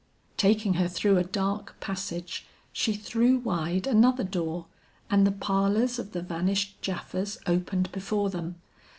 Taking her through a dark passage, she threw wide another door, and the parlors of the vanished Japhas opened before them.